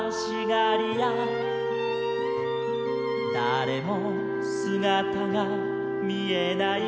「だれもすがたがみえないよ」